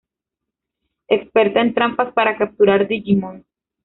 Experta en trampas para capturar digimons.